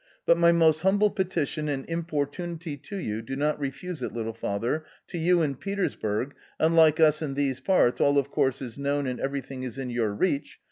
" But my most humble petition and importunity to you — do not refuse it< little father — to you in Petersburg, unlike us in these parts, all of course is known and every thing is in your reach.